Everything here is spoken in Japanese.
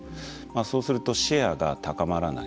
そうするとシェアが高まらない。